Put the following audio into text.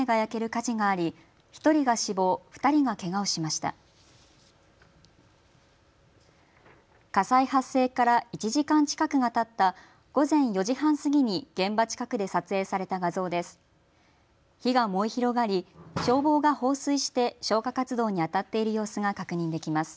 火災発生から１時間近くがたった午前４時半過ぎに現場近くで撮影された画像です。